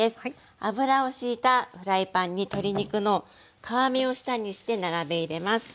油をしいたフライパンに鶏肉の皮目を下にして並べ入れます。